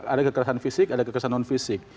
ada kekerasan fisik ada kekerasan non fisik